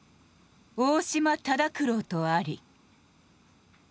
『大島忠九郎』とあり」。